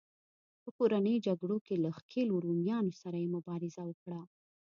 په کورنیو جګړو کې له ښکېلو رومیانو سره یې مبارزه وکړه.